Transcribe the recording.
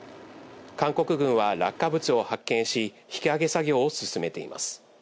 韓国軍は落下物を発見し、引き揚げ作業を進めています。